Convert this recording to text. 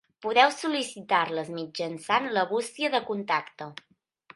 Podeu sol·licitar-les mitjançant la bústia de contacte.